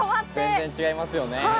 全然違いますよね。